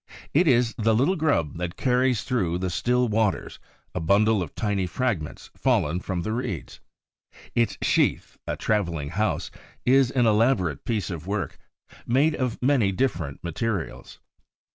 It is the little grub that carries through the still waters a bundle of tiny fragments fallen from the reeds. Its sheath, a traveling house, is an elaborate piece of work, made of many different materials.